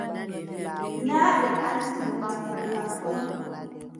Naa ɓe anndino lamɗo kam ɗon.